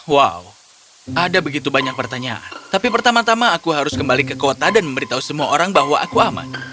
wow ada begitu banyak pertanyaan tapi pertama tama aku harus kembali ke kota dan memberitahu semua orang bahwa aku aman